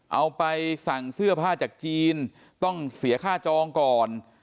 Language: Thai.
เอาไปสั่งเสื้อผ้าจากจีนต้องเสียค่าจองก่อน